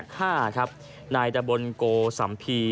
ครับนายตะบลโกสัมพี